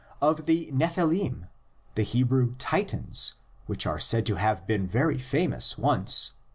Of the Nephilim, the Hebrew "Titans," which are said to have been very famous once (vi.